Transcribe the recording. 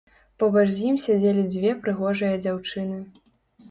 Побач з ім сядзелі дзве прыгожыя дзяўчыны.